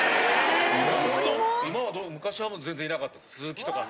・今は昔は全然いなかったです。